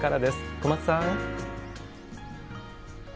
小松さん。